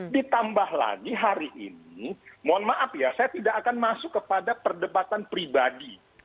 ditambah lagi hari ini mohon maaf ya saya tidak akan masuk kepada perdebatan pribadi